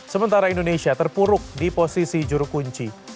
sementara indonesia terpuruk di posisi juru kunci